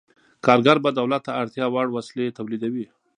کارګر به دولت ته اړتیا وړ وسلې تولیدوي.